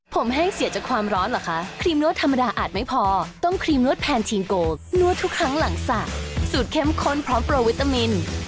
โปรดติดตามตอนต่อไป